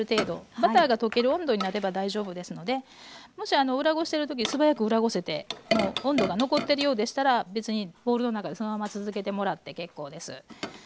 バターが溶ける温度になれば大丈夫ですのでもし裏ごしてる時素早く裏ごせて温度が残ってるようでしたら別にボウルの中でそのまま続けてもらって結構です。